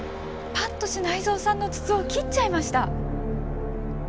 八渡支内造さんの筒を切っちゃいました！